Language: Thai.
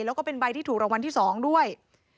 แล้วก็เป็นใบที่ถูกรางวัลที่๒ด้วย